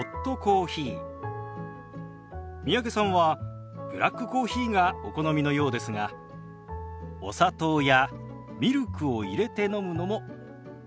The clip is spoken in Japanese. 三宅さんはブラックコーヒーがお好みのようですがお砂糖やミルクを入れて飲むのもおすすめです。